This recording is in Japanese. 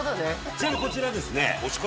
ちなみにこちらですね推し活